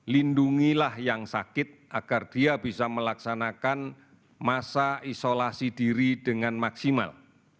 lindungilah yang sakit agar dia bisa melaksanakan masa isolasi diri dengan maksimal